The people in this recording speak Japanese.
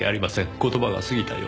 言葉が過ぎたようで。